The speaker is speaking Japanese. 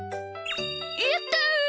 やった！